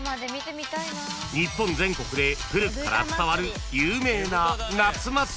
［日本全国で古くから伝わる有名な夏祭り］